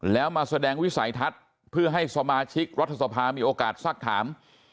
แล้วมาแสดงวิสัยทัศน์เพื่อให้สมาชิกรัฐสภามีโอกาสสักถาม